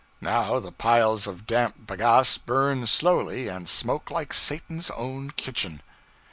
Now the piles of damp bagasse burn slowly, and smoke like Satan's own kitchen.